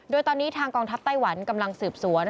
โดยตอนนี้ทางกองทัพไต้หวันกำลังสืบสวน